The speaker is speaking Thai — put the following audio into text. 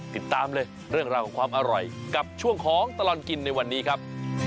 ติดตามเลยเรื่องราวของความอร่อยกับช่วงของตลอดกินในวันนี้ครับ